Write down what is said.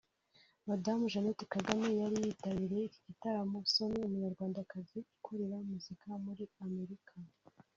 Madamu Jeannette Kagame yari yitabiriye iki gitaramo Somi umunyarwandakazi ukorera muzika muri Amerika